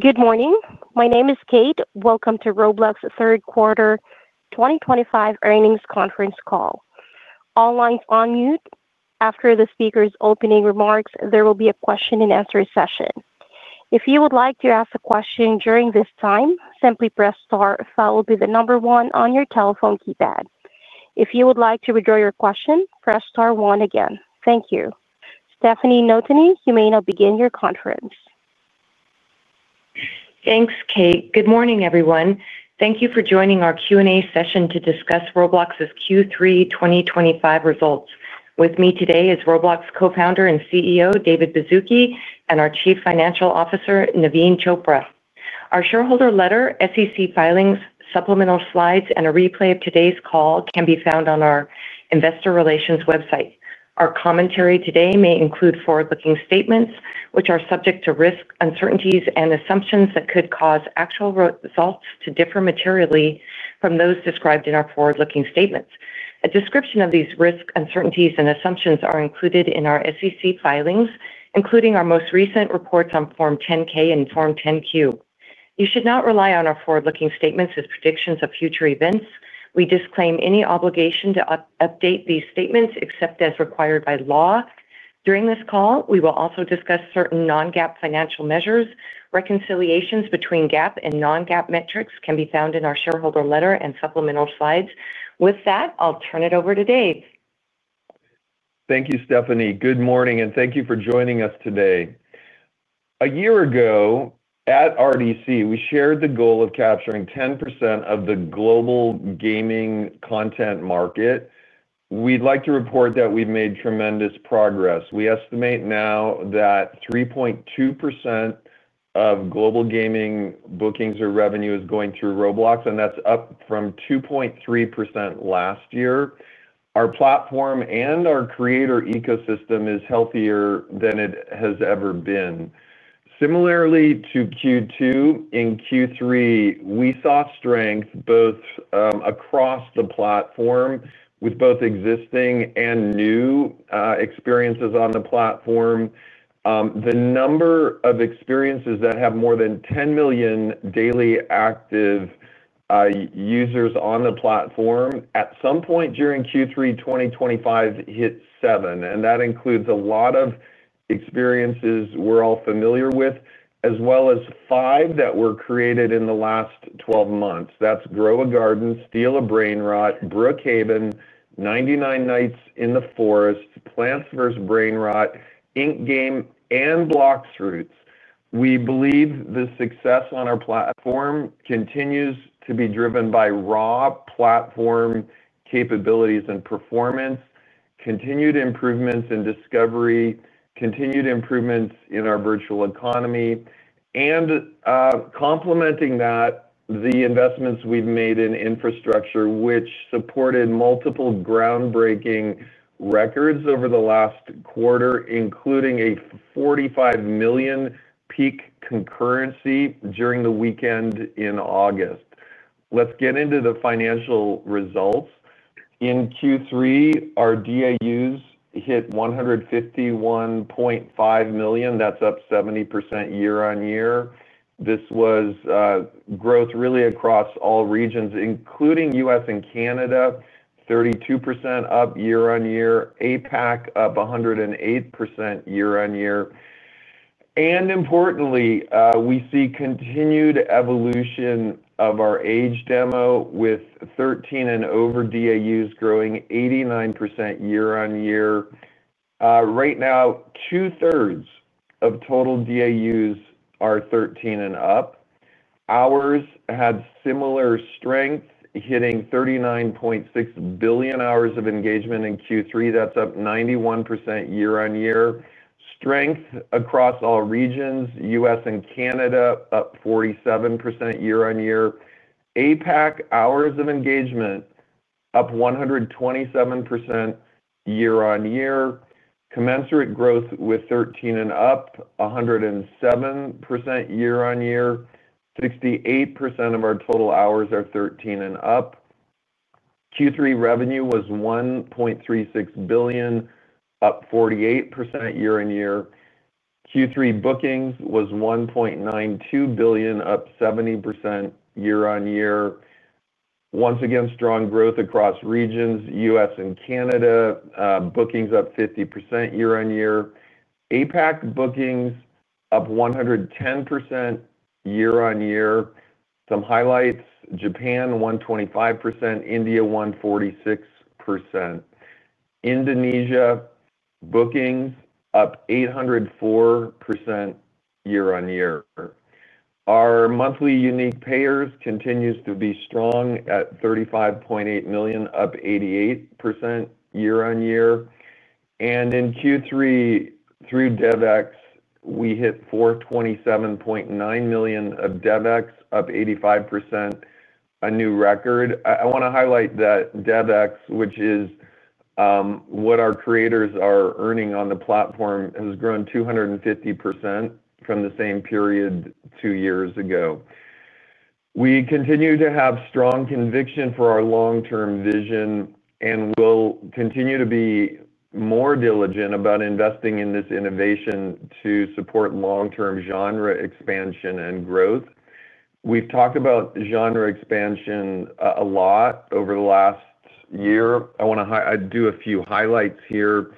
Good morning, my name is Kate. Welcome to Roblox third quarter 2025 earnings conference call. Online's on mute. After the speakers' opening remarks, there will be a question-and-answer session. If you would like to ask a question during this time, simply press star, that will be the number one on your telephone keypad. If you would like to withdraw your question, press star one again. Thank you. Stefanie Notaney, you may now begin your conference. Thanks, Kate. Good morning everyone. Thank you for joining our Q&A session to discuss Roblox's Q3 2025 results. With me today is Roblox Co-Founder and CEO David Baszucki and our Chief Financial Officer Naveen Chopra. Our shareholder letter, SEC filings, supplemental slides, and a replay of today's call can be found on our investor relations website. Our commentary today may include forward-looking statements which are subject to risks, uncertainties, and assumptions that could cause actual results to differ materially from those described in our forward-looking statements. A description of these risks, uncertainties, and assumptions are included in our SEC filings, including our most recent reports on Form 10-K and Form 10-Q. You should not rely on our forward-looking statements as predictions of future events. We disclaim any obligation to update these statements except as required by law. During this call we will also discuss certain non-GAAP financial measures. Reconciliations between GAAP and non-GAAP metrics can be found in our shareholder letter and supplemental slides. With that, I'll turn it over to Dave. Thank you. Stephanie, good morning and thank you for joining us today. A year ago at RDC, we shared the goal of capturing 10% of the global gaming content market. We'd like to report that we've made tremendous progress. We estimate now that 3.2% of global gaming bookings or revenue is going through Roblox and that's up from 2.3% last year. Our platform and our creator ecosystem is healthier than it has ever been. Similarly to Q2, in Q3 we saw strength both across the platform with both existing and new experiences on the platform. The number of experiences that have more than 10 million daily active users on the platform at some point during Q3 2025 hit 7 million. That includes a lot of experiences we're all familiar with, as well as five that were created in the last 12 months. That's Grow a Garden, Steal a Brainrot, Brookhaven, 99 Nights in the Forest, Plants Versus Brainrot, Ink Game, and Blox Fruits. We believe the success on our platform continues to be driven by raw platform capabilities and performance. Continued improvements in discovery, continued improvements in our virtual economy, and complementing that, the investments we've made in infrastructure, which supported multiple groundbreaking records over the last quarter, including a 45 million peak concurrency during the weekend in August. Let's get into the financial results. In Q3 our DAUs hit 151.5 million. That's up 70% year-on-year. This was growth really across all regions including U.S. and Canada, 32% up year-on-year. APAC up 108% year-on-year. Importantly, we see continued evolution of our age demo with 13 and over DAUs growing 89% year-on-year. Right now, 2/3 of total DAUs are 13 years and up. Hours had similar strength, hitting 39.6 billion hours of engagement in Q3. That's up 91% year-on-year. Strength across all regions, U.S. and Canada up 47% year-on-year. APAC hours of engagement up 127% year-on-year. Commensurate growth with 13 years and up, 107% year-on-year. 68% of our total hours are 13 years and up. Q3 revenue was $1.36 billion, up 48% year-on-year. Q3 bookings was $1.92 billion, up 70% year-on-year. Once again, strong growth across regions, U.S. and Canada bookings up 50% year-on-year. APAC bookings up 110% year-on-year. Some highlights: Japan 125%, India 146%, Indonesia bookings up 804% year-on-year. Our monthly unique payers continues to be strong at 35.8 million, up 88% year-on-year. In Q3 through DevEx we hit $427.9 million of DevEx, up 85%. A new record. I want to highlight that DevEx, which is what our creators are earning on the platform, has grown 250% from the same period two years ago. We continue to have strong conviction for our long-term vision and we'll continue to be more diligent about investing in this innovation to support long-term genre expansion and growth. We've talked about genre expansion a lot over the last year. I want to do a few highlights here.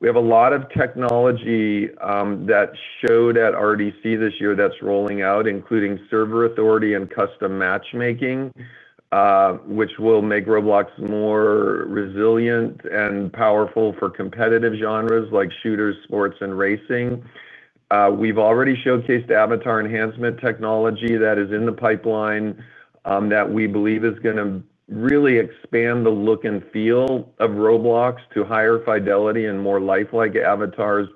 We have a lot of technology that showed at RDC this year that's rolling out, including server authority and custom matchmaking, which will make Roblox more resilient and powerful for competitive genres like shooters, sports, and racing. We've already showcased avatar enhancement technologies that are in the pipeline that we believe are going to really expand the look and feel of Roblox to higher fidelity and more lifelike avatars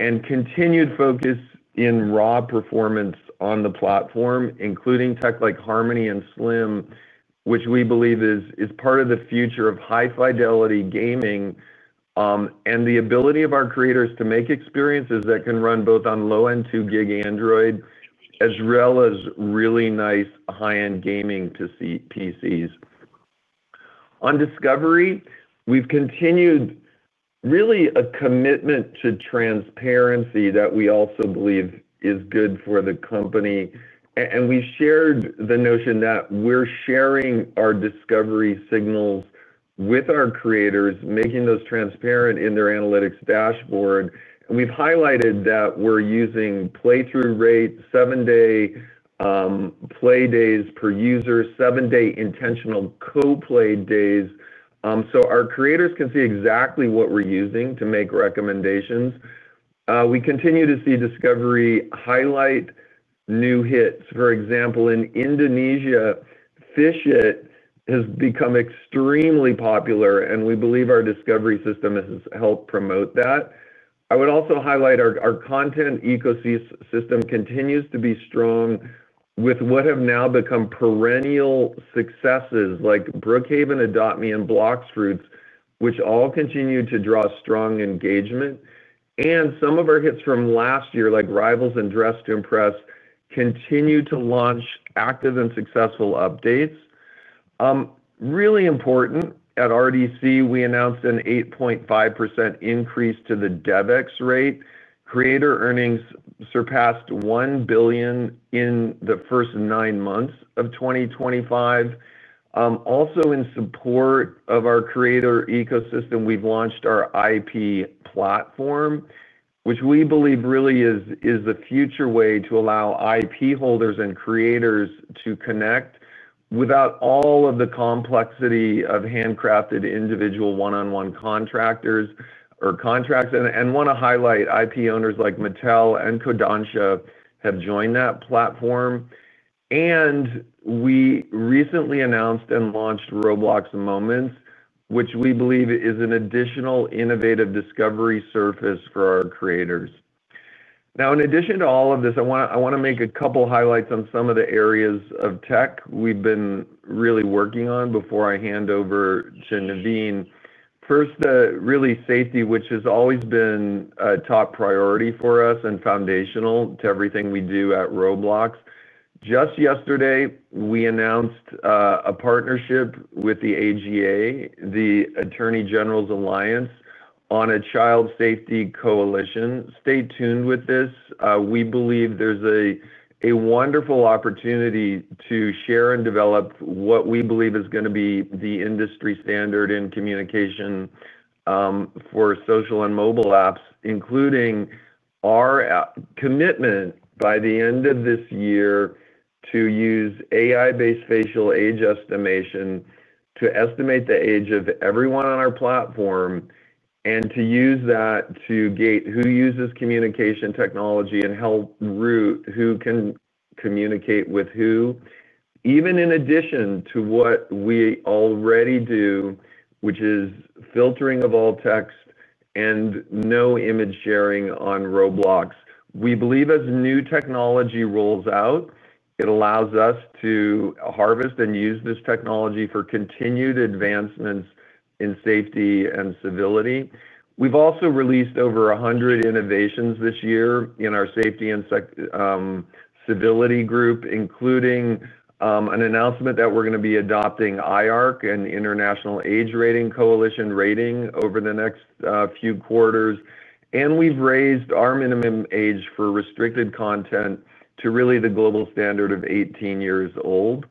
and continued focus in raw performance on the platform, including tech like Harmony and Slim, which we believe is part of the future of high fidelity gaming and the ability of our creators to make experiences that can run both on low end 2 GB Android as well as really nice high end gaming PCs. On discovery, we've continued really a commitment to transparency that we also believe is good for the company, and we've shared the notion that we're sharing our discovery signals with our creators, making those transparent in their analytics dashboard, and we've highlighted that we're using playthrough rate, 7-day play days per user, 7-day intentional co play days, so our creators can see exactly what we're using to make recommendations. We continue to see discovery highlight new hits. For example, in Indonesia, Fish It has become extremely popular and we believe our discovery system has helped promote that. I would also highlight our content ecosystem continues to be strong with what have now become perennial successes like Brookhaven, Adopt Me, and Blox Fruits, which all continue to draw strong engagement, and some of our hits from last year like Rivals and Dress to Impress continue to launch active and successful updates. Really important. At RDC we announced an 8.5% increase to the DevEx rate. Creator earnings surpassed $1 billion in the first nine months of 2025. Also in support of our creator ecosystem, we've launched our IP platform, which we believe really is the future way to allow IP holders and creators to connect without all of the complexity of handcrafted individual one-on-one contracts. I want to highlight IP owners like Mattel and Kodansha have joined that platform, and we recently announced and launched Roblox Moments, which we believe is an additional innovative discovery surface for our creators. Now, in addition to all of this, I want to make a couple highlights on some of the areas of tech we've been really working on before I hand over to Naveen. First, really safety, which has always been a top priority for us and foundational to everything we do at Roblox. Just yesterday, we announced a partnership with the AGA, the Attorney General’s Alliance on a Child Safety Coalition. Stay tuned with this, we believe there's a wonderful opportunity to share and develop what we believe is going to be the industry standard in communication for social and mobile apps, including our commitment by the end of this year to use AI-based facial age estimation to estimate the age of everyone on our platform and to use that to gate who uses communication technology and how, who can communicate with who, even in addition to what we already do, which is filtering of all text and no image sharing on Roblox. We believe as new technology rolls out, it allows us to harvest and use this technology for continued advancements in safety and civility. We've also released over 100 innovations this year in our safety and civility group, including an announcement that we're going to be adopting IARC, International Age Rating Coalition, rating over the next few quarters, and we've raised our minimum age for restricted content to really the global standard of 18 years old.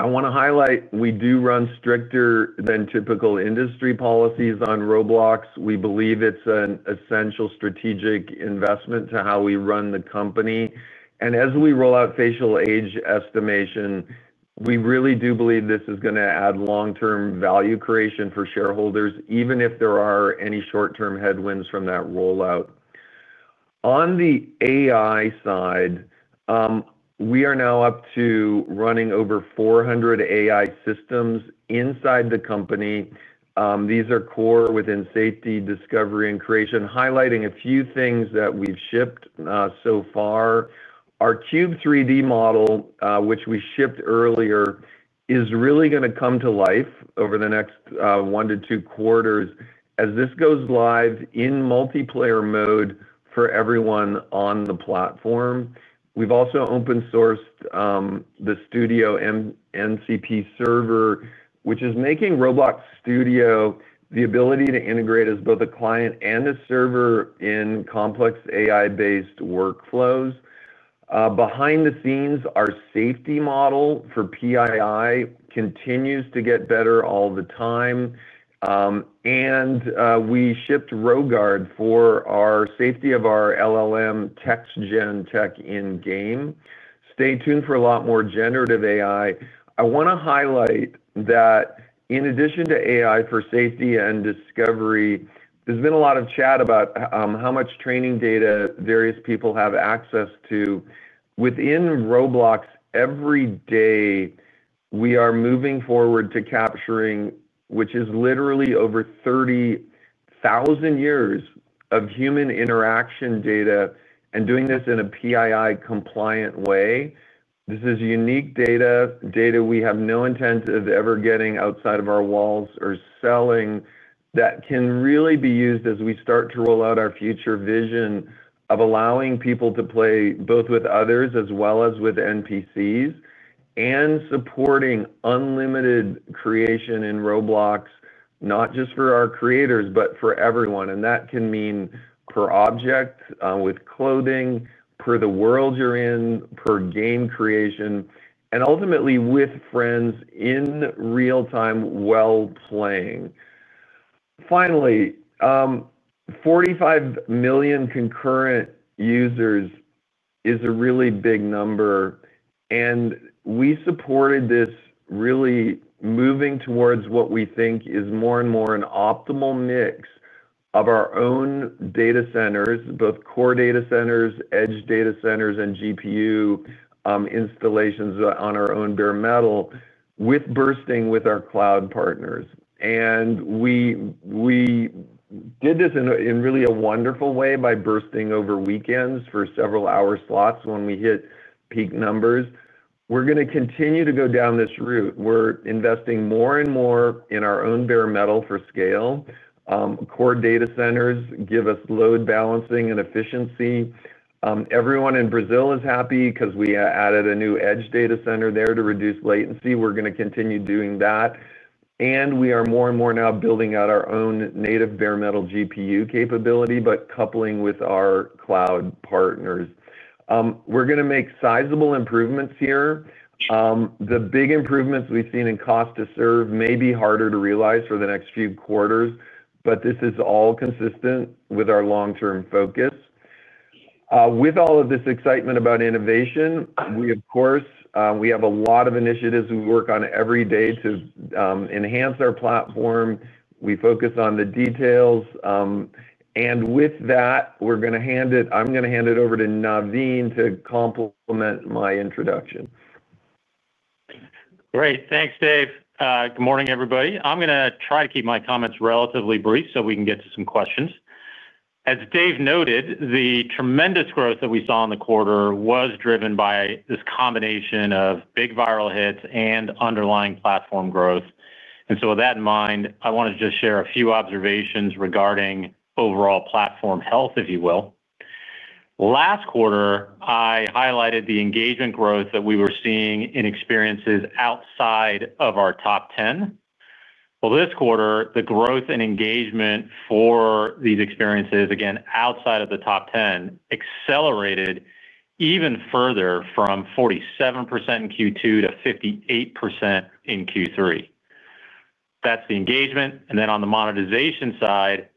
I want to highlight we do run stricter than typical industry policies on Roblox. We believe it's an essential strategic investment to how we run the company, and as we roll out facial age estimation, we really do believe this is going to add long-term value creation for shareholders, even if there are any short-term headwinds from that rollout. On the AI side, we are now up to running over 400 AI systems inside the company. These are core within safety, discovery, and creation, highlighting a few things that we've shipped so far. Our Cube 3D model which we shipped earlier is really going to come to life over the next one to two quarters as this goes live in multiplayer mode for everyone on the platform. We've also open sourced the Studio NCP server which is making Roblox Studio the ability to integrate as both a client and a server in complex AI-based workflows. Behind the scenes, our safety model for PII continues to get better all the time and we shipped Roguard for our safety of our LLM textgen tech in game. Stay tuned for a lot more generative AI. I want to highlight that in addition to AI for safety and discovery, there's been a lot of chat about how much training data various people have access to within Roblox every day we are moving forward to capturing which is literally over 30,000 years of human interaction data and doing this in a PII compliant way. This is unique data we have no intent of ever getting outside of our walls or selling that can really be used as we start to roll out our future vision of allowing people to play both with others as well as with NPCs and supporting unlimited creation in Roblox not just for our creators but for everyone. That can mean per object, with clothing for the world you're in, per game creation and ultimately with friends in real time while playing. Finally, 45 million concurrent users is a really big number and we supported this, really moving towards what we think is more and more an optimal mix of our own data centers, both core data centers, edge data centers and GPU installations on our own bare metal. With bursting with our cloud partners. We did this in really a wonderful way by bursting over weekends for several hour slots when we hit peak numbers. We're going to continue to go down this route. We're investing more and more in our own bare metal for scale. Core data centers give us load balancing and efficiency. Everyone in Brazil is happy because we added a new edge data center there to reduce latency. We're going to continue doing that and we are more and more now building out our own native bare metal GPU capability, but coupling with our cloud partners, we're going to make sizable improvements here. The big improvements we've seen in cost to serve may be harder to realize for the next few quarters, but this is all consistent with our long-term focus. With all of this excitement about innovation, we of course have a lot of initiatives we work on every day to enhance our platform. We focus on the details, and with that, I'm going to hand it over to Naveen to compliment my introduction. Great. Thanks, Dave. Good morning everybody. I'm going to try to keep my comments relatively brief so we can get to some questions. As Dave noted, the tremendous growth that we saw in the quarter was driven by this combination of big viral hits and underlying platform growth. With that in mind, I wanted to just share a few observations. Overall platform health, if you will. Last quarter I highlighted the engagement growth that we were seeing in experiences outside of our top 10. This quarter, the growth and engagement for these experiences, again outside of the top 10, accelerated even further, from 47% in Q2 to 58% in Q3. That's the engagement. On the monetization side,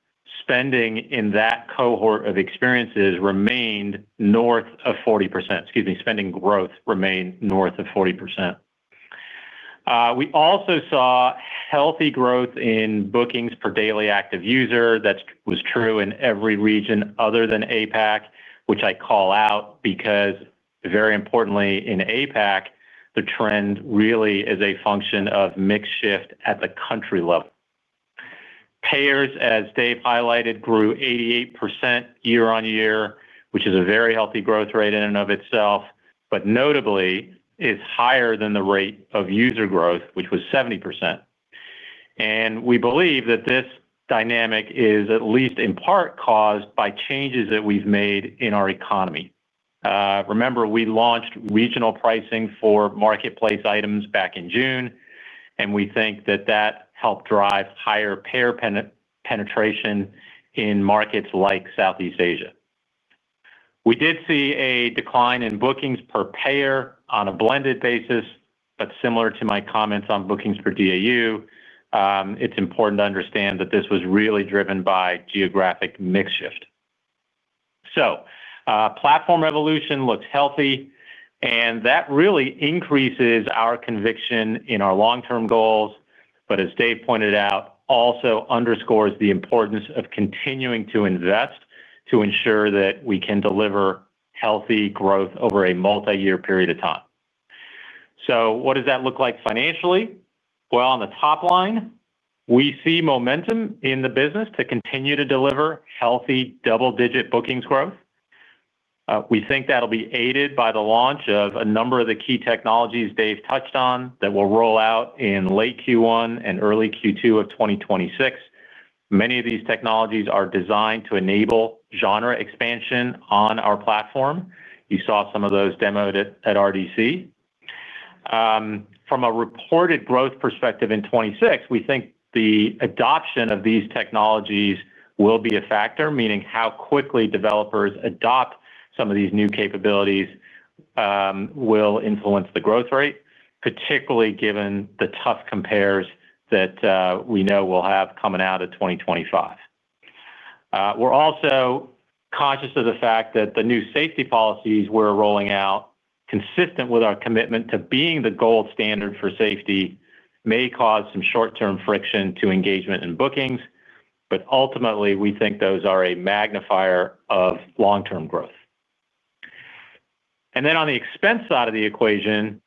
spending in that cohort of experiences remained north of 40%. Excuse me, spending growth remained north of 40%. We also saw healthy growth in bookings per daily active user. That was true in every region other than APAC, which I call out because, very importantly, in APAC, the trend really is a function of mix shift at the country level. Payers, as Dave highlighted, grew 88% year-on-year, which is a very healthy growth rate in and of itself, but notably is higher than the rate of user growth, which was 70%. We believe that this dynamic is at least in part caused by changes that we've made in our economy. Remember, we launched regional pricing for marketplace items back in June, and we think that helped drive higher payer penetration in markets like Southeast Asia. We did see a decline in bookings per payer on a blended basis. Similar to my comments on bookings per DAU, it's important to understand that this was really driven by geographic mix shift. Platform evolution looks healthy and that really increases our conviction in our long-term goals. As Dave pointed out, it also underscores the importance of continuing to invest to ensure that we can deliver healthy growth over a multi-year period of time. What does that look like financially? On the top line we see momentum in the business to continue to deliver healthy double digit bookings growth. We think that'll be aided by the launch of a number of the key technologies Dave touched on that will roll out in late Q1 and early Q2 of 2026. Many of these technologies are designed to enable genre expansion on our platform. You saw some of those demoed at RDC. From a reported growth perspective in 2026, we think the adoption of these technologies will be a factor, meaning how quickly developers adopt some of these new capabilities will influence the growth rate, particularly given the tough compares that we know we'll have coming out of 2025. We're also conscious of the fact that the new safety policies we're rolling out, consistent with our commitment to being the gold standard for safety, may cause some short-term friction to engagement and bookings, but ultimately we think those are a magnifier of long-term growth. On the expense side of the equation,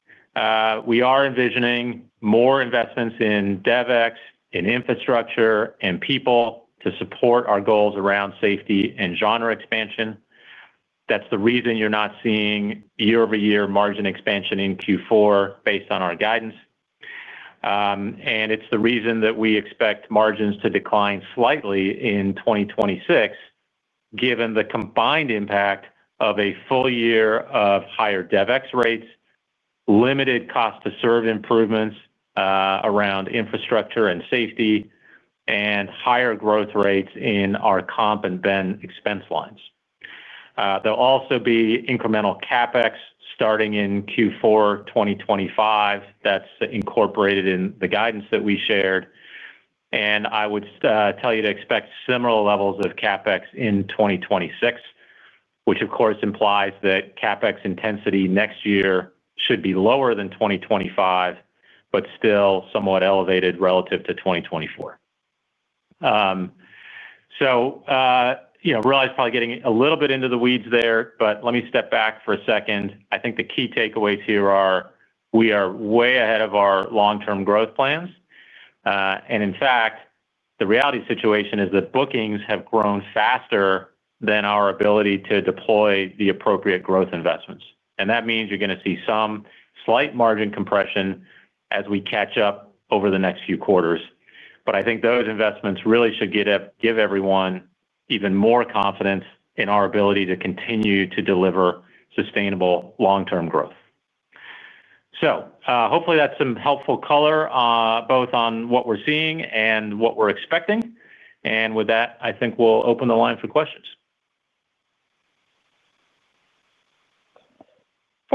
we are envisioning more investments in DevEx, in infrastructure, and people to support our goals around safety and genre expansion. That's the reason you're not seeing year-over-year margin expansion in Q4 based on our guidance. It's the reason that we expect margins to decline slightly in 2026 given the combined impact of a full year of higher DevEx rates, limited cost to serve improvements around infrastructure and safety, and higher growth rates in our comp and benefits expense lines. There will also be incremental CapEx starting in Q4 2025. That's incorporated in the guidance that we shared. I would tell you to expect similar levels of CapEx in 2026, which of course implies that CapEx intensity next year should be lower than 2025 but still somewhat elevated relative to 2024. You know, probably getting a little bit into the weeds there, but let me step back for a second. I think the key takeaways here are we are way ahead of our long-term growth plans, and in fact the reality of the situation is that bookings have grown faster than our ability to deploy the appropriate growth investments. That means you're going to see some slight margin compression as we catch up over the next few quarters. I think those investments really should give everyone even more confidence in our ability to continue to deliver sustainable long-term growth. Hopefully that's some helpful color both on what we're seeing and what we're expecting. With that, I think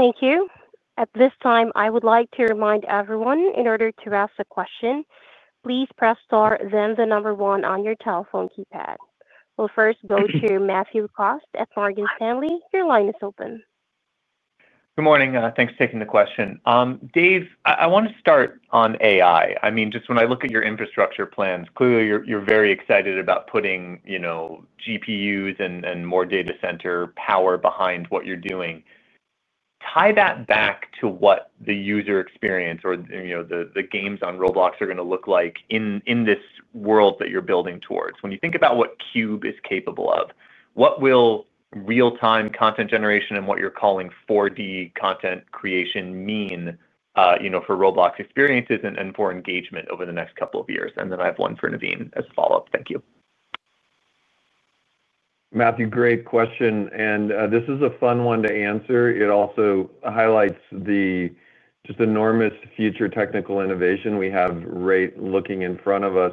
we'll open the line for questions. Thank you. At this time, I would like to remind everyone in order to ask a question, please press star, then the number one on your telephone keypad. We'll first go to Matthew Cost at Morgan Stanley. Your line is open. Good morning. Thanks for taking the question, Dave. I want to start on AI. When I look at your infrastructure plans, clearly you're very excited about putting GPUs and more data center power behind what you're doing. Tie that back to what the user experience or the games on the Roblox platform are going to look like in this world that you're building towards. When you think about what Cube is capable of, what will real time content generation and what you're calling 4D content creation mean for Roblox experiences and for engagement over the next couple of years? I have one for Naveen as a follow-up. Thank you, Matthew. Great question and this is a fun one to answer. It also highlights the just enormous future technical innovation we have right looking in front of us.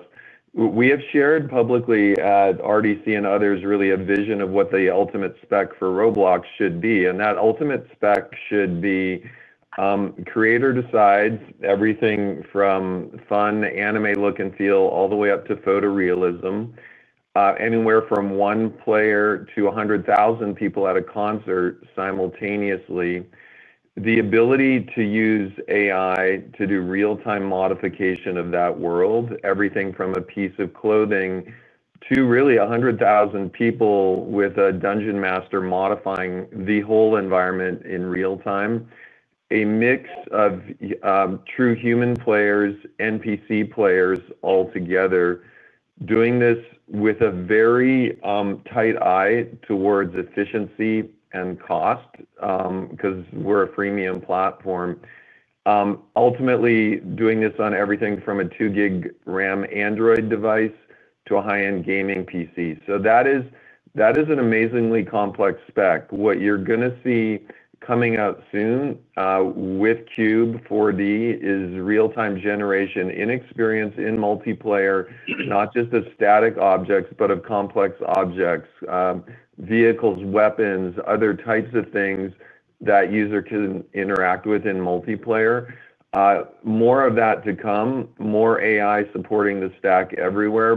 We have shared publicly, RDC and others, really a vision of what the ultimate spec for Roblox should be. That ultimate spec should be Creator decides everything from fun anime look and feel all the way up to photorealism, anywhere from one player to 100,000 people at a concert, simultaneously the ability to use AI to do real-time modification of that world. Everything from a piece of clothing to really 100,000 people with a dungeon master modifying the whole environment in real time. A mix of true human players, NPC players, all together doing this with a very tight eye towards efficiency and cost because we're a freemium platform. Ultimately, doing this on everything from a 2 GB RAM Android device to a high-end gaming PC. That is an amazingly complex spec. What you're going to see coming out soon with Cube 4D is real-time generation in-experience in multiplayer, not just the static objects but of complex objects, vehicles, weapons, other types of things that user can interact with in multiplayer. More of that to come, more AI supporting the stack everywhere.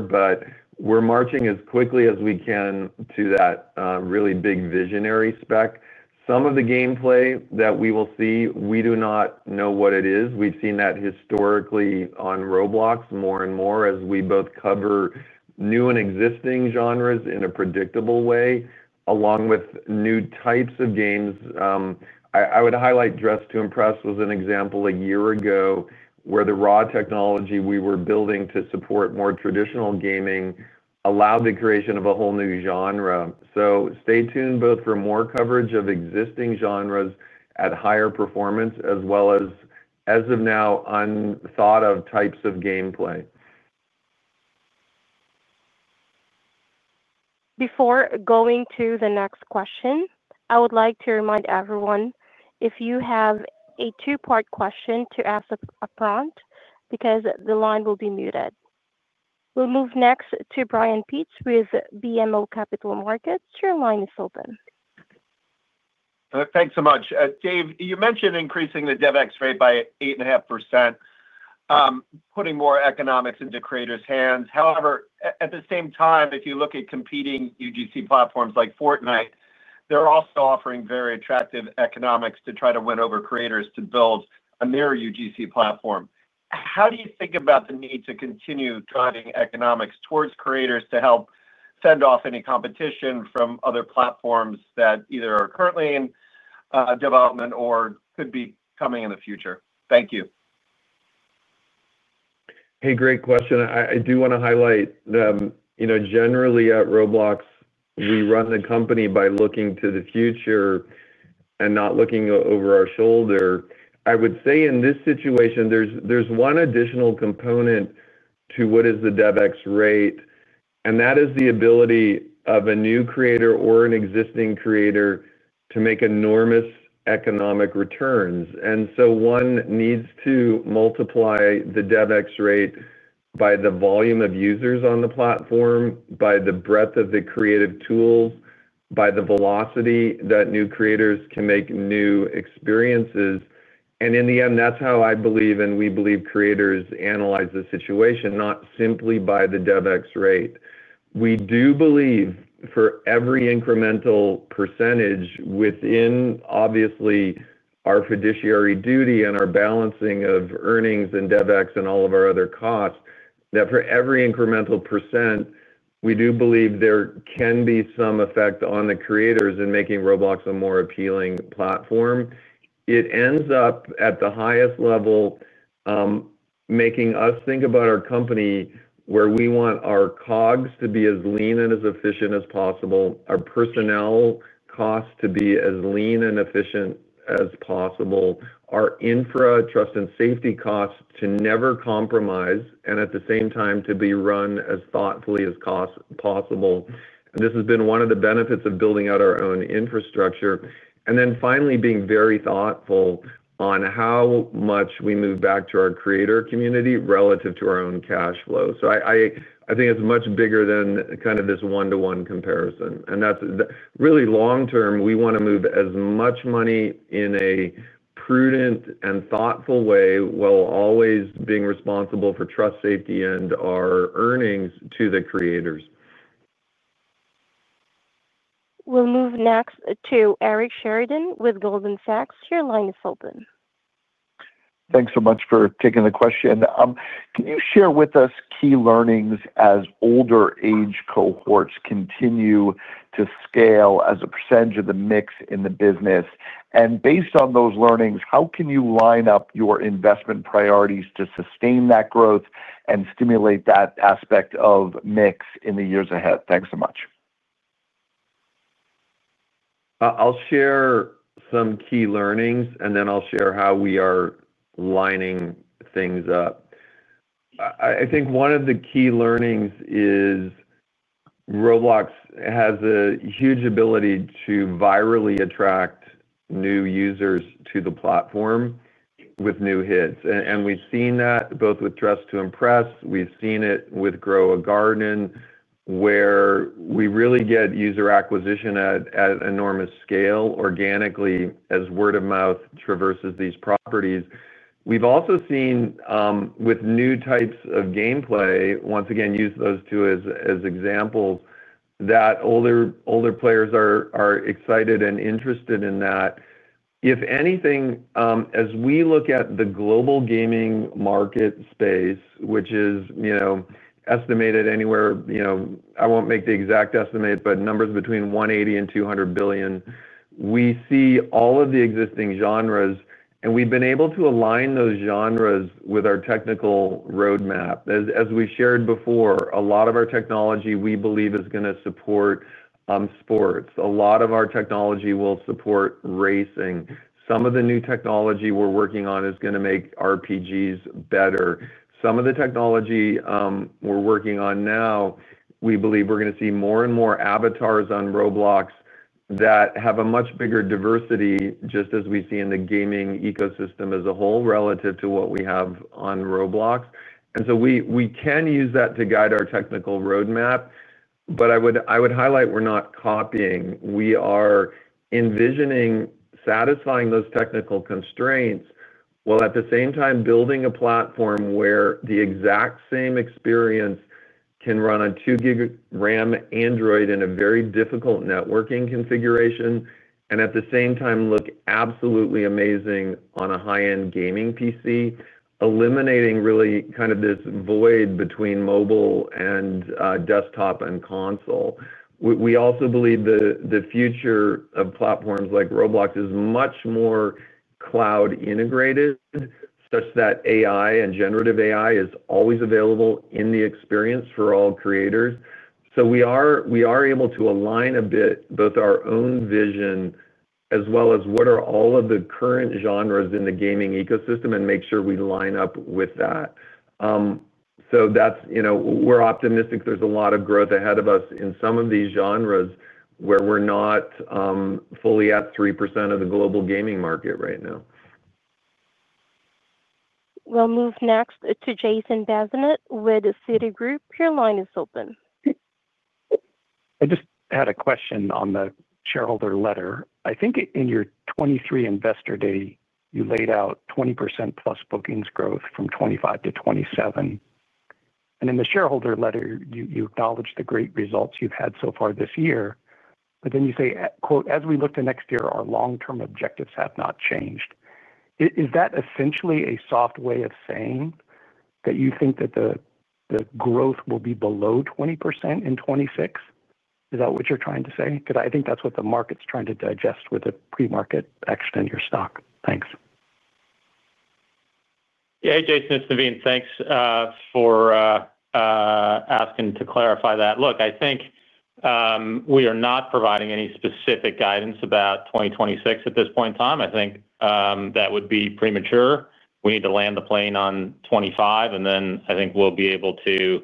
We're marching as quickly as we can to that really big visionary spec. Some of the gameplay that we will see, we do not know what it is. We've seen that historically on Roblox more and more as we both cover new and existing genres in a predictable way along with new types of games. I would highlight Dress to Impress was an example a year ago where the raw technology we were building to support more traditional gaming allowed the creation of a whole new genre. Stay tuned both for more coverage of existing genres at higher performance as well as, as of now, unthought of types of gameplay. Before going to the next question, I would like to remind everyone if you have a two-part question to ask up front because the line will be muted. We'll move next to Brian Pitz with BMO Capital Markets. Your line is open. Thanks so much. Dave, you mentioned increasing the DevEx rate by 8.5% putting more economics into creators' hands. However, at the same time, if you look at competing UGC platforms like Fortnite, they're also offering very attractive economics to try to win over creators to build a mirror UGC platform. How do you think about the need to continue driving economics towards creators to help fend off any competition from other platforms that either are currently in development or could be coming in the future? Thank you. Hey, great question. I do want to highlight, you know, generally at Roblox we run the company by looking to the future and not looking over our shoulder. I would say in this situation there's one additional component to what is the DevEx rate and that is the ability of a new creator or an existing creator to make enormous economic returns. One needs to multiply the DevEx rate by the volume of users on the platform, by the breadth of the creative tools, by the velocity that new creators can make new experiences. In the end that's how I believe, and we believe, creators analyze the situation not simply by the DevEx rate. We do believe for every incremental percentage within obviously our fiduciary duty and our balancing of earnings and DevEx and all of our other costs, that for every incremental percent we do believe there can be some effect on the creators in making Roblox a more appealing platform. It ends up at the highest level making us think about our company where we want our COGS to be as lean and as efficient as possible, our personnel cost to be as lean and efficient as possible, our infra trust and safety costs to never compromise and at the same time to be run as thoughtfully as possible. This has been one of the benefits of building out our own infrastructure and then finally being very thoughtful on how much we move back to our creator community relative to our own cash flow. I think it's much bigger than kind of this one to one comparison and that's really long-term. We want to move as much money in a prudent and thoughtful way while always being responsible for trust, safety and our earnings to the creators. We'll move next to Eric Sheridan with Goldman Sachs. Your line is open. Thanks so much for taking the question. Can you share with us key learnings as older age cohorts continue to scale as a percentage of the mix in the business? Based on those learnings, how can you line up your investment priorities to sustain that growth and stimulate that aspect of mix in the years ahead? Thanks so much. I'll share some key learnings and then I'll share how we are lining things up. I think one of the key learnings is Roblox has a huge ability to virally attract new users to the platform with new hits, and we've seen that both with Dress to Impress. We've seen it with Grow a Garden, where we really get user acquisition at enormous scale organically as word of mouth traverses these properties. We've also seen with new types of gameplay, once again using those two as examples, that older players are excited and interested in that. If anything, as we look at the global gaming market space, which is estimated anywhere, I won't make the exact estimate, but numbers between $180 billion and $200 billion. We see all of the existing genres, and we've been able to align those genres with our technical roadmap. As we shared before, a lot of our technology we believe is going to support sports. A lot of our technology will support racing. Some of the new technology we're working on is going to make RPGs better. Some of the technology we're working on now, we believe we're going to see more and more avatars on Roblox that have a much bigger diversity, just as we see in the gaming ecosystem as a whole relative to what we have on Roblox, and we can use that to guide our technical roadmap. I would highlight we're not copying. We are envisioning satisfying those technical constraints while at the same time building a platform where the exact same experience can run on 2 GB RAM Android in a very difficult networking configuration and at the same time look absolutely amazing on a high-end gaming PC, eliminating really kind of this void between mobile and desktop and console. We also believe the future of platforms like Roblox is much more cloud integrated such that AI and generative AI is always available in the experience for all creators. We are able to align a bit both our own vision as well as what are all of the current genres in the gaming ecosystem and make sure we line up with that. We're optimistic. There's a lot of growth ahead of us in some of these genres where we're not fully at 3% of the global gaming market right now. We'll move next to Jason Bazinet with Citigroup. Your line is open. I just had a question on the shareholder letter. I think in your 2023 investor day you laid out 20%+ bookings growth from 2025 to 2027. In the shareholder letter you acknowledge the great results you've had so far this year. You say, quote, as we look to next year, our long-term objectives have not changed. Is that essentially a soft way of saying that you think that the growth will be below 20% in 2026? Is that what you're trying to say? I think that's what the market's trying to digest with a pre-market action your stock. Thanks. Hey Jason, it's Naveen. Thanks for asking to clarify that. Look, I think we are not providing any specific guidance about 2026 at this point in time. I think that would be premature. We need to land the plane on 2025 and then I think we'll be able to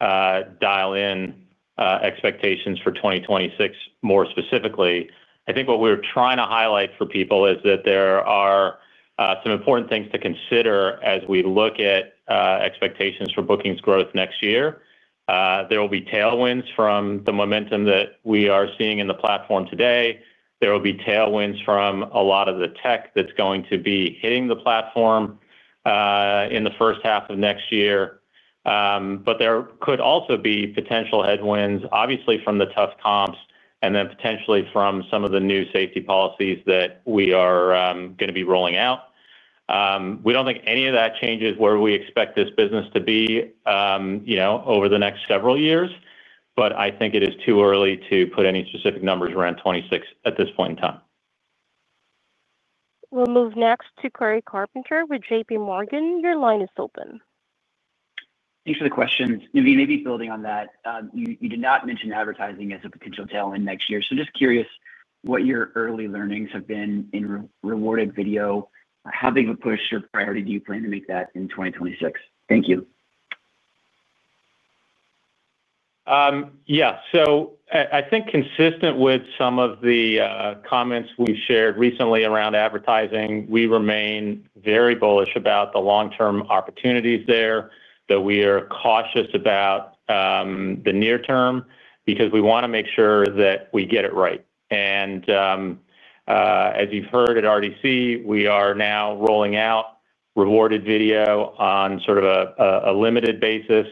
dial in expectations for 2026. More specifically, I think what we're trying to highlight for people is that there are some important things to consider as we look at expectations for bookings growth next year. There will be tailwinds from the momentum that we are seeing in the platform today. There will be tailwinds from a lot of the tech that's going to be hitting the platform in the first half of next year. There could also be potential headwinds obviously from the tough comps and then potentially from some of the new safety policies that we are going to be rolling out. We don't think any of that changes where we expect this business to be, you know, over the next several years. I think it is too early to put any specific numbers around 2026 at this point in time. We'll move next to Cory Carpenter with JPMorgan. Your line is open. Thanks for the questions. Naveen, maybe building on that, you did not mention advertising as a potential tailwind next year. Just curious what your early learnings have been in Rewarded Video. How big of a push or priority do you plan to make that in 2026? Thank you. Yeah, so I think, consistent with some of the comments we've shared recently around advertising, we remain very bullish about the long term opportunities there. We are cautious about the near-term because we want to make sure that we get it right. As you've heard at RDC, we are now rolling out Rewarded Video on sort of a limited basis.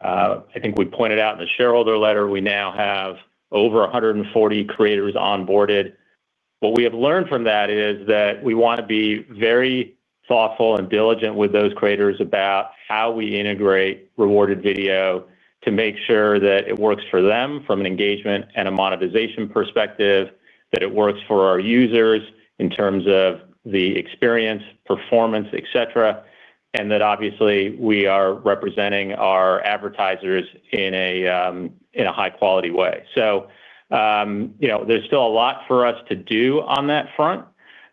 I think we pointed out in the shareholder letter we now have over 140 creators onboarded. What we have learned from that is that we want to be very thoughtful and diligent with those creators about how we integrate Rewarded Video to make sure that it works for them from an engagement and a monetization perspective, that it works for our users in terms of the experience, performance, etc. Obviously, we are representing our advertisers in a high quality way. There is still a lot for us to do on that front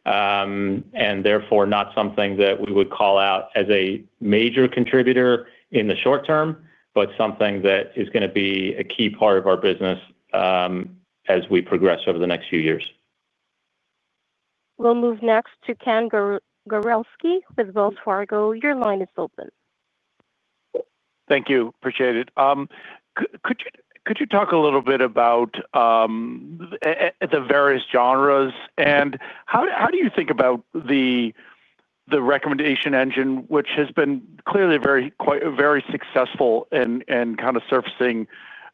and therefore not something that we would call out as a major contributor in the short-term, but something that is going to be a key part of our business as we progress over the next few years. We'll move next to Ken Gorelski with Wells Fargo. Your line is open. Thank you. Appreciate it. Could you talk a little bit about the various genres and how do you think about the recommendation engine, which has been clearly very, quite, very successful in kind of surfacing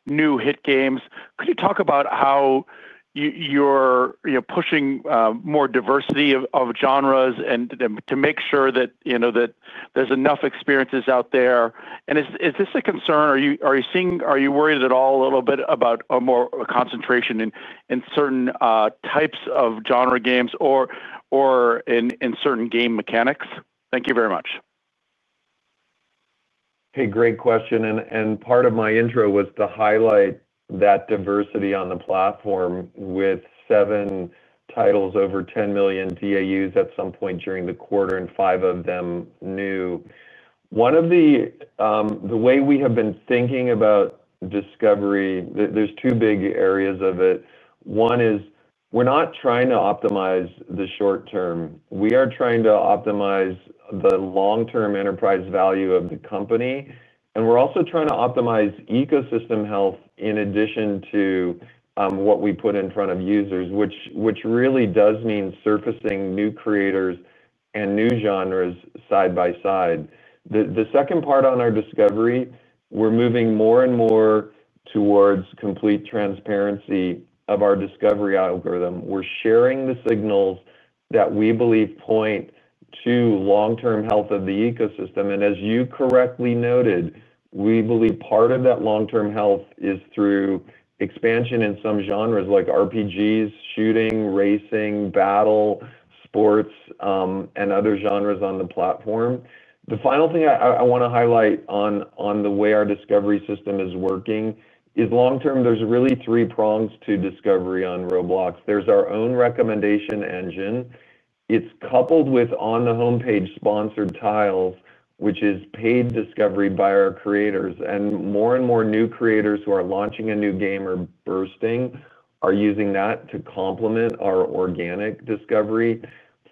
new hit games? Could you talk about how you're pushing more diversity of genres, and to make sure that there's enough experiences out there? Is this a concern? Are you worried at all a little bit about concentration in certain types of genre games or in certain game mechanics? Thank you very much. Hey, great question. Part of my intro was to highlight that diversity on the platform. With seven titles, over 10 million DAUs at some point during the quarter and 5 million of them new. One of the ways we have been thinking about discovery, there's two big areas of it. One is we're not trying to optimize the short-term, we're trying to optimize the long-term enterprise of the company and we're also trying to optimize ecosystem health in addition to what we put in front of users, which really does mean surfacing new creators and new genres side by side. The second part, on our discovery, we're moving more and more towards complete transparency of our discovery algorithm. We're sharing the signals that we believe point to long-term health of the ecosystem. And as you correctly noted we believe part of that long-term health is through expansion in some genres like RPGs, shooting, racing, battle sports and other genres on the platform. The final thing I want to highlight on the way our discovery system is working is long-term. There's really three prongs to discovery on Roblox. There's our own recommendation engineering. It's coupled with on the homepage Sponsored Tiles, which is paid discovery by our creators, and more and more new creators who are launching a new game or bursting are using that to complement our organic discovery.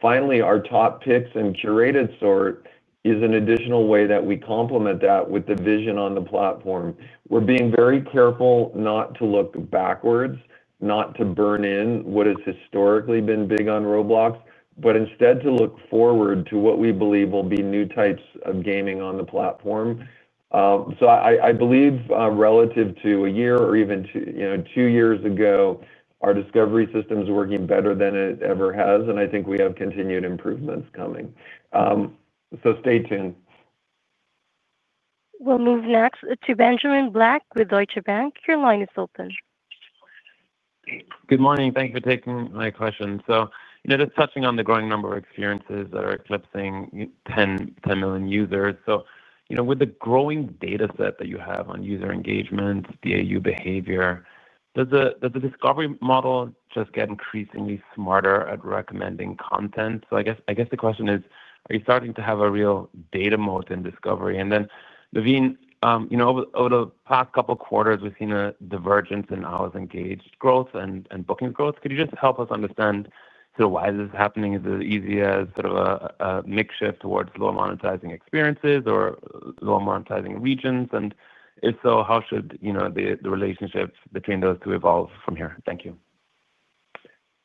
Finally, our top picks and curated sort is an additional way that we complement that with the vision on the platform. We're being very careful not to look backwards, not to burn in what has historically been big on Roblox, but instead to look forward to what we believe will be new types of gaming on the platform. I believe relative to a year or even two years ago, our discovery system is working better than it ever has. I think we have continued improvements coming. Stay tuned. We'll move next to Benjamin Black with Deutsche Bank. Your line is open. Good morning. Thank you for taking my question. Just touching on the growing number of experiences that are eclipsing 10 million users, with the growing data set that you have on user engagement DAU behavior, does the discovery model just get increasingly smarter at recommending content? I guess the question is, are you starting to have a real data moat in discovery? Naveen, over the past couple quarters we've seen a divergence in hours engaged growth and bookings growth. Could you just help us understand sort why is this happening? Is it easy as sort of a mix shift towards lower monetizing experiences or lower monetizing regions? If so, how should the relationships between those two evolve from here? Thank you.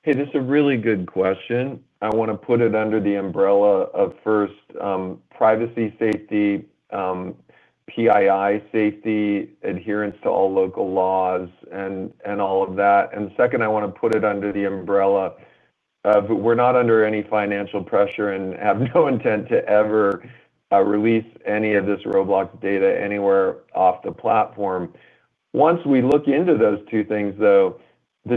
This is a really good question. I want to put it under the umbrella of, first, privacy, safety, PII safety, adherence to all local laws and all of that. Second, I want to put it under the umbrella we're not under any financial pressure and have no intent to ever release any of this Roblox data anywhere off the platform. Once we look into those two things, the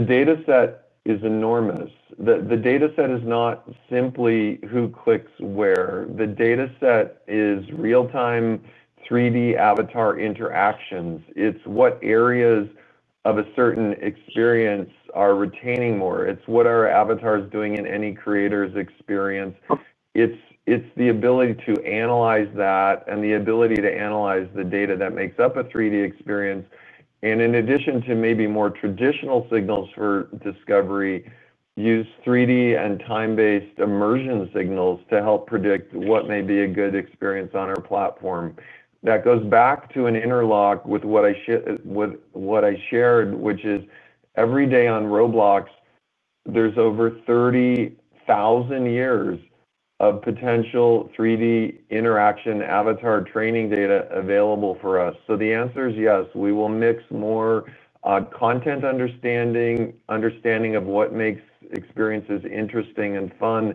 data set is enormous. The data set is not simply who clicks where. The data set is real-time 3D avatar interactions. It's what areas of a certain experience are retaining more. It's what our avatar is doing in any creator's experience. It's the ability to analyze that and the ability to analyze the data that makes up a 3D experience. In addition to maybe more traditional signals for discovery, use 3D and time-based immersion signals to help predict what may be a good experience on our platform. That goes back to an interlock with what I shared, which is every day on Roblox, there's over 30,000 years of potential 3D interaction avatar training data available for us. The answer is yes, we will mix more content, understanding, understanding of what makes experiences interesting and fun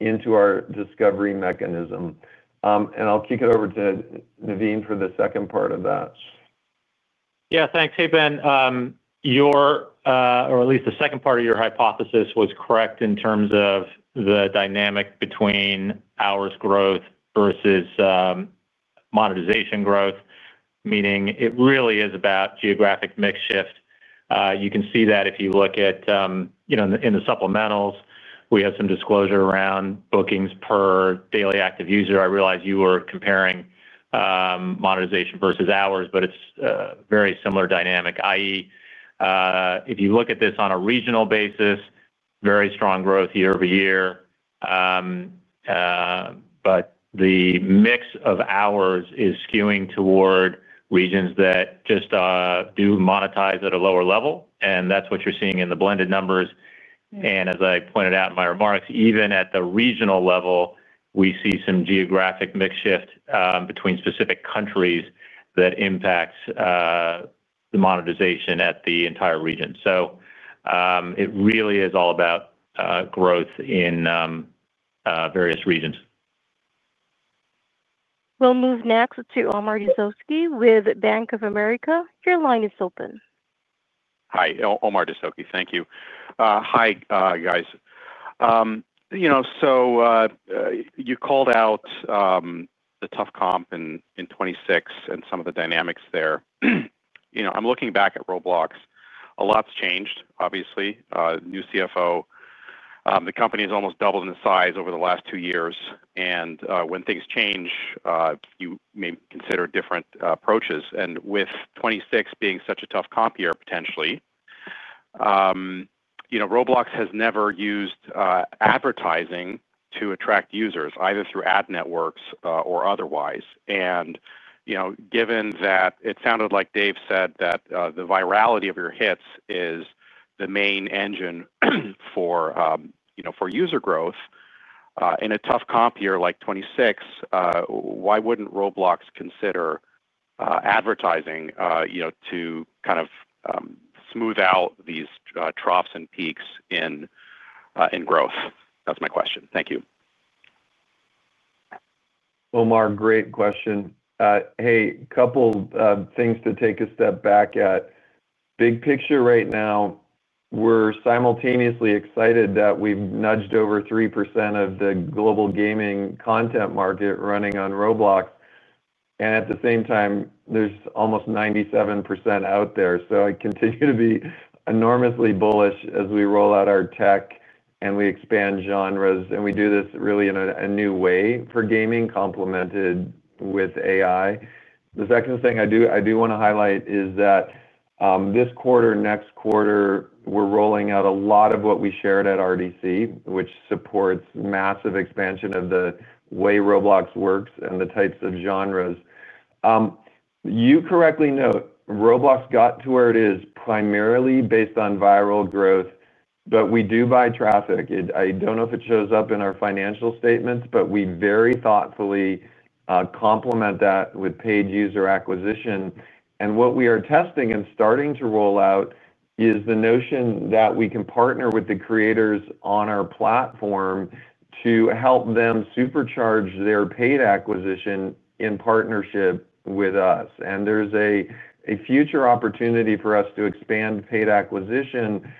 into our discovery mechanism. I'll kick it over to Naveen for the second part of that. Yeah, thanks. Ben, the second part of your hypothesis was correct in terms of the dynamic between hours growth versus monetization growth, meaning it really is about geographic mix shift. You can see that if you look at, you know, in the supplementals we have some disclosure around bookings per daily active user. I realize you were comparing monetization versus hours, but it's very similar dynamic. That is, if you look at this on a regional basis, very strong growth year-over-year. The mix of hours is skewing toward regions that just do monetize at a lower level. That's what you're seeing in the blended numbers. As I pointed out in my remarks, even at the regional level we see some geographic mix shift between specific countries that impacts the monetization at the entire region. It really is all about growth in various regions. We'll move next to Omar Zoubi with Bank of America. Your line is open. Hi Omar Zoubi. Thank you. Hi guys. You know, you called out the tough comp in 2026 and some of the dynamics there. I'm looking back at Roblox, a lot's changed, obviously new CFO, the company has almost doubled in size over the last two years. When things change, you may consider different approaches. With 2026 being such a tough comp, potentially, you know, Roblox has never used advertising to attract users either through ad networks or otherwise. It sounded like Dave said that the virality of your hits is the main engine for you know, for user growth. In a tough comp year like 2026, why wouldn't Roblox consider advertising, you know, to kind of smooth out these troughs and peaks in growth? That's my question. Thank you. Omar. Great question. Hey, couple things to take a step back at. Big picture right now we're simultaneously excited that we've nudged over 3% of the global gaming content market running on Roblox. At the same time there's almost 97% out there. I continue to be enormously bullish as we roll out our tech and we expand genres and we do this really in a new way for gaming, complemented with AI. The second thing I do want to highlight is that this quarter, next quarter, we're rolling out a lot of what we shared at RDC, which supports massive expansion of the way Roblox works and the types of genres. You correctly note, Roblox got to where it is primarily based on viral growth, but we do buy traffic. I don't know if it shows up in our financial statements, but we very thoughtfully complement that with paid user acquisition. What we are testing and starting to roll out is the notion that we can partner with the creators on our platform to help them supercharge their paid acquisition in partnership with us. There's a future opportunity for us to expand paid acquisition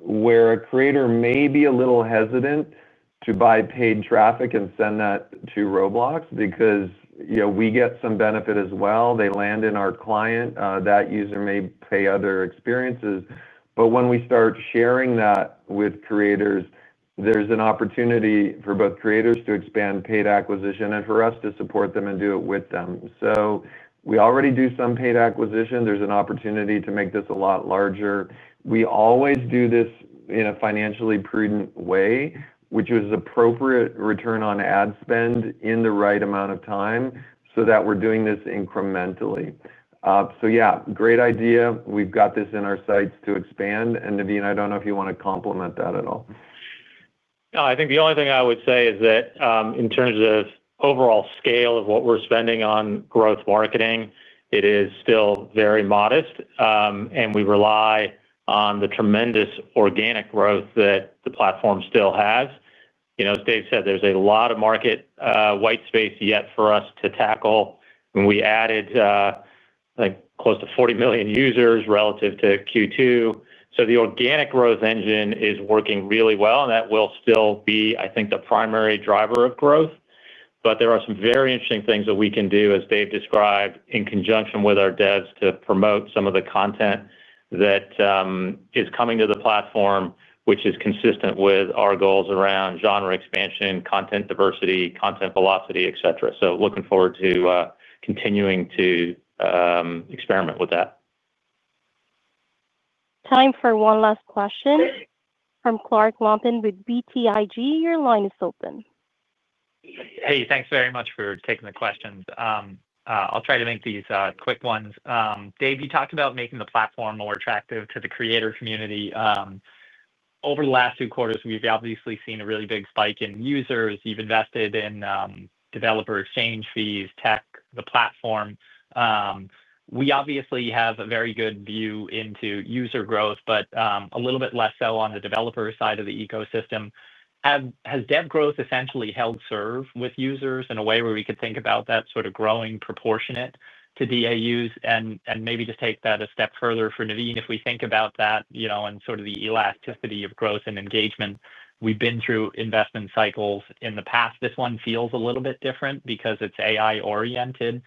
where a creator may be a little hesitant to buy paid traffic and send that to Roblox because we get some benefit as well. They land in our client, that user may pay other experiences, but when we start sharing that with creators, there's an opportunity for both creators to expand paid acquisition and for us to support them and do it with them. We already do some paid acquisition. There's an opportunity to make this a lot larger. We always do this in a financially prudent way, which is appropriate return on ad spend in the right amount of time so that we're doing this incrementally. Great idea. We've got this in our sights to expand and Naveen, I don't know if you want to complement that at all. I think the only thing I would say is that in terms of overall scale of what we're spending on growth marketing, it is still very modest, and we rely on the tremendous organic growth that the platform still has. As David said, there's a lot of market white space yet for us to tackle, and we added close to 40 million users relative to Q2. The organic growth engine is working really well, and that will still be, I think, the primary driver of growth. There are some very interesting things that we can do, as David described in conjunction with our devs, to promote some of the content that is coming to the platform, which is consistent with our goals around genre expansion, content diversity, content velocity, etc. Looking forward to continuing to experiment with that. Time for one last question from Clark Lampen with BTIG. Your line is open. Hey, thanks very much for taking the questions. I'll try to make these quick ones. Dave, you talked about making the platform more attractive to the creator community. Over the last few quarters we've obviously seen a really big spike in users. You've invested in Developer Exchange fees, tech, the platform. We obviously have a very good view into user growth, but a little bit less so on the developer side of the ecosystem. Has dev growth essentially held serve with users in a way where we could think about that sort of growing proportionate to DAUs, and maybe just take that a step further for Naveen? If we think about that and sort of the elasticity of growth and engagement, we've been through investment cycles in the past. This one feels a little bit different because it's AI oriented.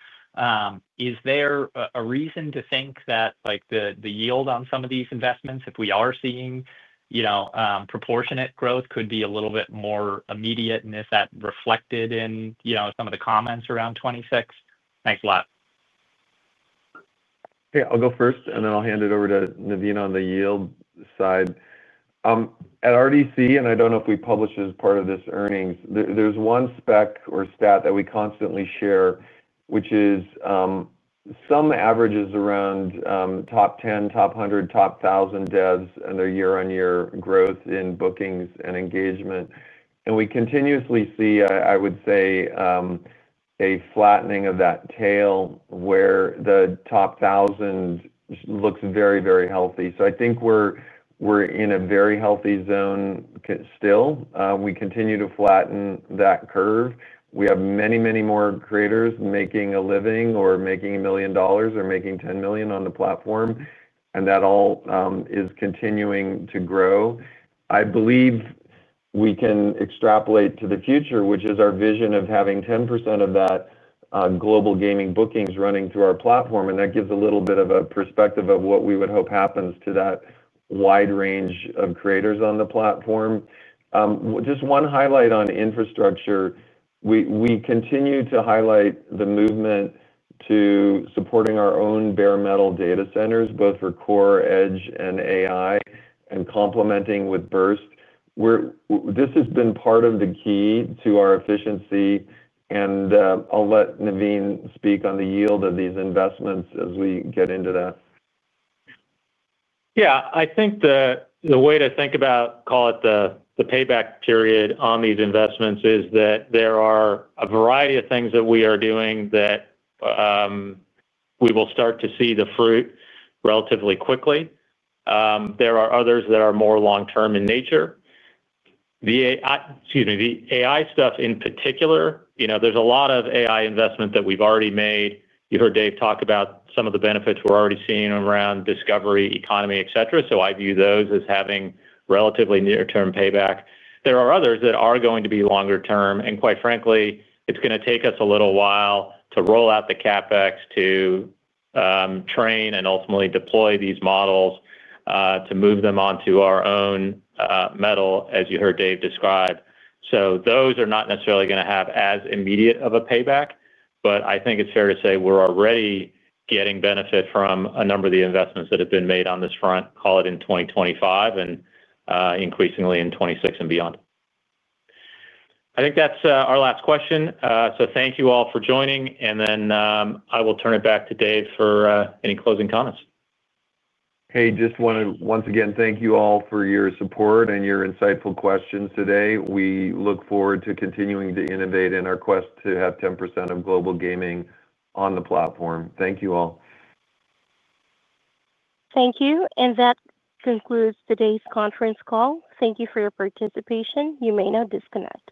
Is there a reason to think that the yield on some of these investments, if we are seeing, you know, proportionate growth, could be a little bit more immediate, and is that reflected in, you know, some of the comments around 2026? Thanks a lot. I'll go first and then I'll hand it over to Naveen on the yield side. At RDC, I don't know if we publish as part of this earnings. There's one spec or stat that we constantly share, which is some average is around top 10, top 100, top 1,000 devs and their year-on-year growth in bookings and engagement. We continuously see, I would say, a flattening of that tail where the top 1,000 looks very, very healthy. I think we're in a very healthy zone still. We continue to flatten that curve. We have many, many more creators making a living or making $1 million or making $10 million on the platform, and that all is continuing to grow. I believe we can extrapolate to the future, which is our vision of having 10% of that global gaming bookings running through our platform. That gives a little bit of a perspective of what we would hope happens to that wide range of creators on the platform. Just one highlight on infrastructure. We continue to highlight the movement to supporting our own bare metal data centers, both for Core, Edge, and AI, and complementing with Burst. This has been part of the key to our efficiency. I'll let Naveen speak on the yield of these investments as we get into that. Yeah, I think the way to think about, call it, the payback period on these investments is that there are a variety of things that we are doing that we will start to see the fruit relatively quickly. There are others that are more long-term in nature. The AI stuff in particular, there's a lot of AI investment that we've already made. You heard Dave talk about some of the benefits we're already seeing around discovery, economy, et cetera. I view those as having relatively near-term payback. There are others that are going to be longer-term, and quite frankly, it's going to take us a little while to roll out the CapEx to train and ultimately deploy these models to move them onto our own metal, as you heard Dave describe. Those are not necessarily going to have as immediate of a payback, but I think it's fair to say we're already getting benefit from a number of the investments that have been made on this front, call it in 2025 and increasingly in 2026 and beyond. I think that's our last question. Thank you all for joining, and then I will turn it back to Dave for any closing comments. Hey, just want to once again thank you all for your support and your insightful questions. Today we look forward to continuing to innovate in our quest to have 10% of global gaming on the platform. Thank you all. Thank you. That concludes today's conference call. Thank you for your participation. You may now disconnect.